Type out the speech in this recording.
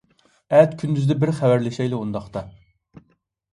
ئەتە كۈندۈزدە بىر خەۋەرلىشەيلى ئۇنداقتا.